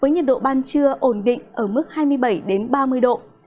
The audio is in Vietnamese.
nhiệt độ ban trưa ổn định ở mức hai mươi bảy ba mươi độ